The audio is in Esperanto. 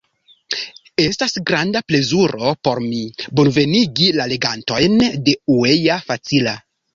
Estas granda plezuro por mi, bonvenigi la legantojn de uea.facila!